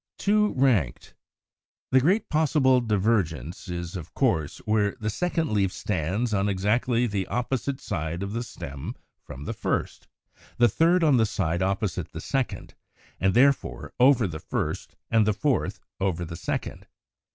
186. =Two ranked.= The greatest possible divergence is, of course, where the second leaf stands on exactly the opposite side of the stem from the first, the third on the side opposite the second, and therefore over the first, and the fourth over the second.